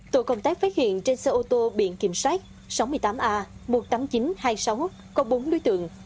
tổ công tác phát hiện trên xe ô tô biển kiểm soát sáu mươi tám a một mươi tám nghìn chín trăm hai mươi sáu có bốn đối tượng